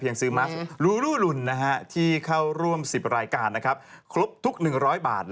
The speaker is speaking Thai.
ยังซื้อมัสรูลุนที่เข้าร่วม๑๐รายการครบทุก๑๐๐บาท